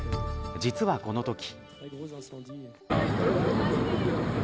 実はこのとき。